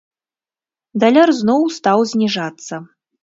Даляр зноў стаў зніжацца.